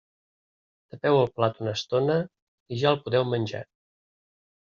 Tapeu el plat una estona i ja el podeu menjar.